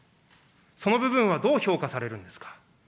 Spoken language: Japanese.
その部分はどう評価されるんですか。